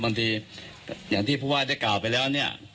บางทีอย่างที่พวกว่าได้กล่าวไปแล้วเนี่ย